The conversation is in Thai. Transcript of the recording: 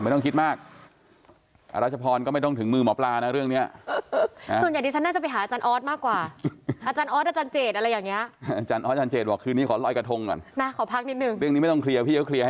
ไม่ต้องคิดมากอะรัชพรก็ไม่ต้องถึงมือหมอพลานะเรื่องเนี้ย